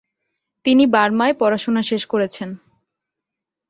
তিনি বার্মায় পড়াশোনা শেষ করেছেন।